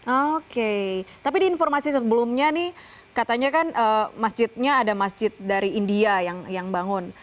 oke tapi di informasi sebelumnya nih katanya kan masjidnya ada masjid dari india yang bangun